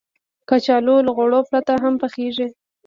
کچالو له غوړو پرته هم پخېږي